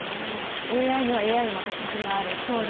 ＡＩにはＡＩのまた先があるという。